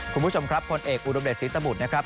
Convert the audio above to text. คุณผู้ชมครับผลเอกอุดมเดชศรีตบุตรนะครับ